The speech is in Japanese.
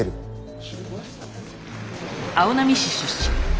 青波市出身。